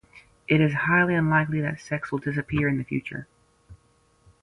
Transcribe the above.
It is highly unlikely that sex will disappear in the future.